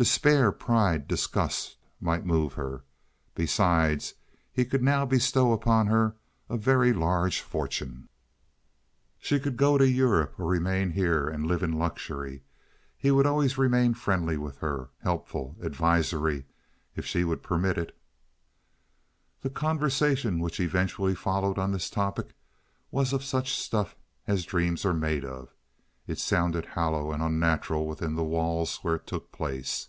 Despair, pride, disgust might move her. Besides, he could now bestow upon her a very large fortune. She could go to Europe or remain here and live in luxury. He would always remain friendly with her—helpful, advisory—if she would permit it. The conversation which eventually followed on this topic was of such stuff as dreams are made of. It sounded hollow and unnatural within the walls where it took place.